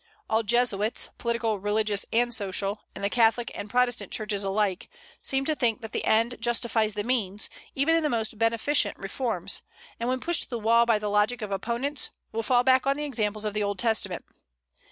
All Jesuits, political, religious, and social, in the Catholic and Protestant churches alike, seem to think that the end justifies the means, even in the most beneficent reforms; and when pushed to the wall by the logic of opponents, will fall back on the examples of the Old Testament.